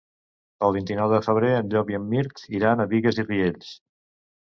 El vint-i-nou de febrer en Llop i en Mirt iran a Bigues i Riells.